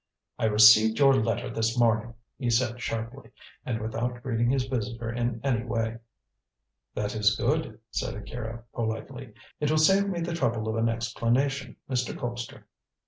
"I received your letter this morning," he said sharply, and without greeting his visitor in any way. "That is good," said Akira politely, "it will save me the trouble of an explanation, Mr. Colpster."